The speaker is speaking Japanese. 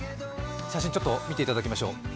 写真、ちょっと見ていただきましょう。